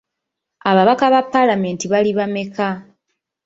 Ababaka ba paalamenti bali bameka?